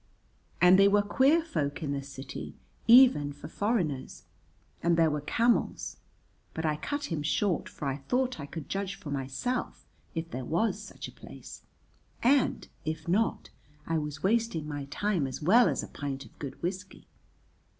And they were queer folk in the city even for foreigners. And there were camels, but I cut him short for I thought I could judge for myself, if there was such a place, and, if not, I was wasting my time as well as a pint of good whiskey.